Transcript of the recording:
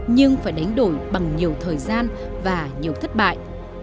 nhưng phải đánh đổi bằng nhiều thời gian và nhiều thất bại